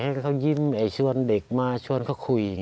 ให้เขายิ้มชวนเด็กมาชวนเขาคุย